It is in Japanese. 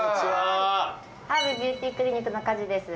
ＨＡＡＢビューティークリニックの梶です。